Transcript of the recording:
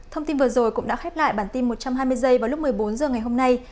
thông tin vừa rồi cũng đã khép lại bản tin một trăm hai mươi h vào lúc một mươi bốn h ngày hôm nay